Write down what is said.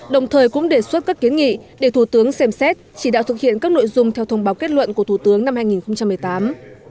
đồng thời cũng đề xuất các kiến nghị để thủ tướng xem xét chỉ đạo thực hiện các nội dung theo thông báo kết luận của thủ tướng năm hai nghìn một mươi tám